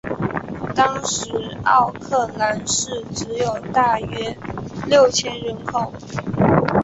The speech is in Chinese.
当时奥克兰市只有大约六千人口。